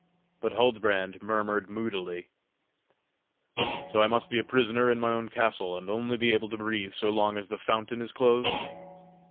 But Huldbrand murmured moodily: "So I must be a prisoner in my own castle, and only be able to breathe so long as the fountain is closed!